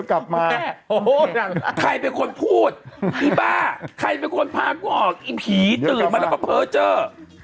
โอ้โหใครเป็นคนพูดไอ้บ้าใครเป็นคนพาก็ออกไอ้ผีตื่นมาแล้วก็เผ้าเจ้า